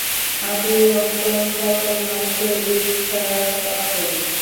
আদি-অন্ত সকল মানুষের ঈর্ষার পাত্র।